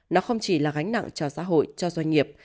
nó không chỉ là gánh nặng cho xã hội cho doanh nghiệp